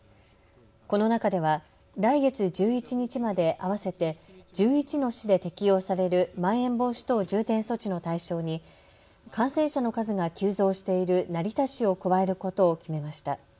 この中では来月１１日まで合わせて１１の市で適用されるまん延防止等重点措置の対象に感染者の数が急増している成田市を加えることを決めました。